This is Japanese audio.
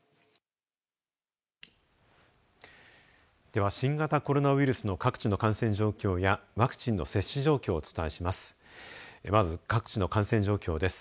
では新型コロナウイルスの各地の感染状況やワクチンの接種状況をお伝えしましす。